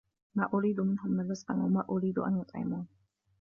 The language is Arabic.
ما أُريدُ مِنهُم مِن رِزقٍ وَما أُريدُ أَن يُطعِمونِ